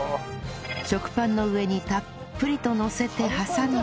食パンの上にたっぷりとのせて挟んだら